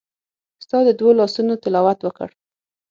ستا د دوو لاسونو تلاوت وکړ